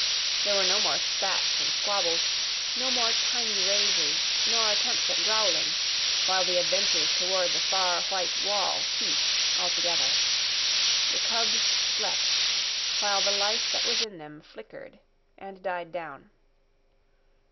There were no more spats and squabbles, no more tiny rages nor attempts at growling; while the adventures toward the far white wall ceased altogether. The cubs slept, while the life that was in them flickered and died down.